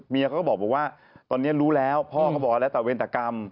เขาก็บอกว่าตอนนี้รู้แล้วพ่อก็บอกแล้วแต่เวรตกรรม